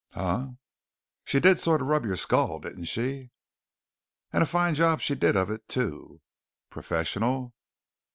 "Huh?" "She did sort of rub your skull, didn't she?" "And a fine job she did of it, too." "Professional?"